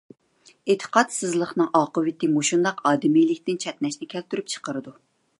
ئېتىقادسىزلىقنىڭ ئاقىۋىتى مۇشۇنداق ئادىمىيلىكتىن چەتنەشنى كەلتۈرۈپ چىقىرىدۇ!